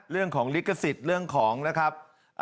เรื่องของลิขสิทธิ์เรื่องของนะครับ